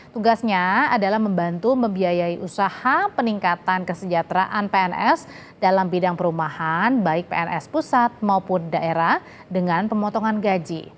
tugasnya adalah membantu membiayai usaha peningkatan kesejahteraan pns dalam bidang perumahan baik pns pusat maupun daerah dengan pemotongan gaji